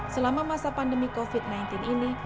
selama masa pandemi covid sembilan belas ini